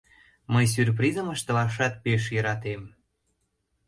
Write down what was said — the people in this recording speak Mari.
— Мый сюрпризым ыштылашат пеш йӧратем.